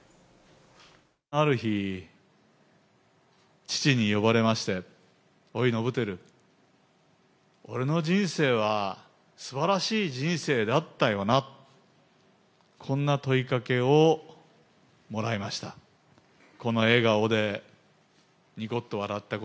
ある日、父に呼ばれまして、おい、伸晃、俺の人生はすばらしい人生だったよな、こんな問いかけをもらいました。